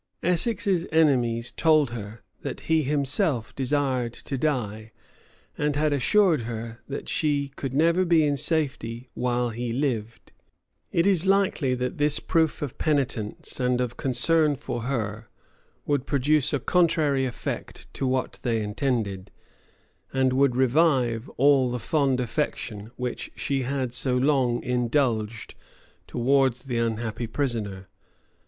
Essex's enemies told her, that he himself desired to die, and had assured her, that she could never be in safety while he lived: it is likely that this proof of penitence and of concern for her would produce a contrary effect to what they intended, and would revive all the fond affection which she had so long indulged towards the unhappy prisoner.